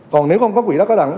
còn nếu không có quỹ đất có đẳng